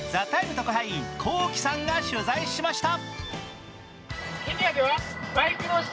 特派員ＫＯＫＩさんが取材しました。